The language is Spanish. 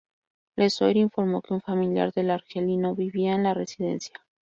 Le Soir informó que un familiar del argelino vivía en la residencia.